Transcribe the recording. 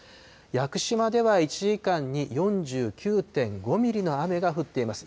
屋久島では１時間に４９．５ミリの雨が降っています。